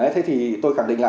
thế thì tôi khẳng định là